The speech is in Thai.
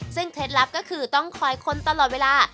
ซึ่งเคล็ดลับก็คือต้องคอยคนตลอดเวลา